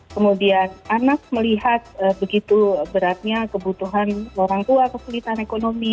kemudian anak melihat begitu beratnya kebutuhan orang tua kesulitan ekonomi